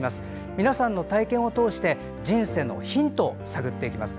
皆さんの体験を通して人生のヒントを探っていきます。